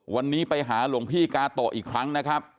วันนี้ไปหาหลวงพี่กาโตะอีกครั้งนะครับ